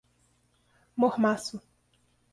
Mormaço